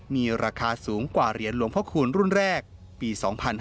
มีราคาสูงกว่าเหรียญหลวงพระคูณรุ่นแรกปี๒๕๕๙